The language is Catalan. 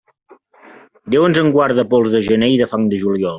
Déu ens guard de pols de gener i de fang de juliol.